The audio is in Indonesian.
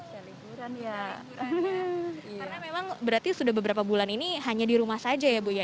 karena memang berarti sudah beberapa bulan ini hanya di rumah saja ya ibu ya